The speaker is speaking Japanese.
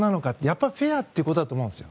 やっぱりフェアということだと思うんです。